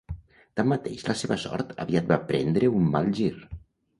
Tanmateix la seva sort aviat van prendre un mal gir.